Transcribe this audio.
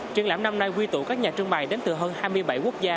triên lạm năm nay quy tụ các nhà trưng bày đến từ hơn hai mươi bảy quốc gia